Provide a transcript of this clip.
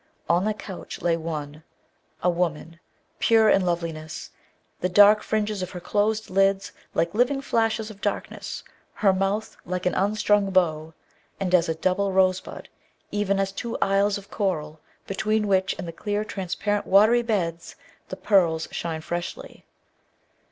On the couch lay one, a woman, pure in loveliness; the dark fringes of her closed lids like living flashes of darkness, her mouth like an unstrung bow and as a double rosebud, even as two isles of coral between which in the clear transparent watery beds the pearls shine freshly.